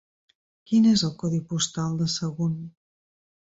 Quin és el codi postal de Sagunt?